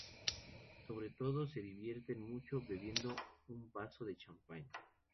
Sobre todo se divierten mucho bebiendo un vaso de champán.